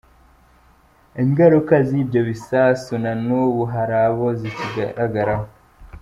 Ingaruka z’ibyo bisasu na n’ubu hari abo zikigaragaraho.